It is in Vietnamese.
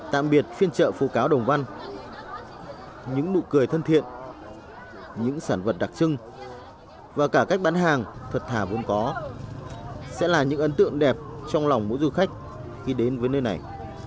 tạm biệt phiên chợ phố cáo đồng văn những nụ cười thân thiện những sản vật đặc trưng và cả cách bán hàng thuật thả vốn có sẽ là những ấn tượng đẹp trong lòng mỗi du khách khi đến với nơi này